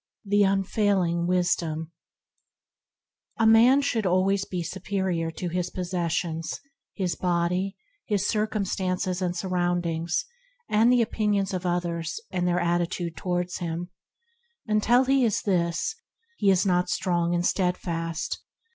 V. THE UNVEILING WISDOM A MAN should be superior to his possess ions, his body, his circumstances and surroundings, and the opinions of others and their attitude toward him. Until he is all these, he is not strong and steadfast.